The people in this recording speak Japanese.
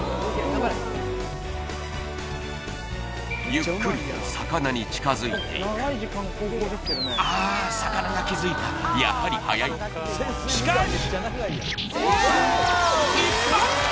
ゆっくりと魚に近づいていくあ魚が気づいたやはり速いしかし！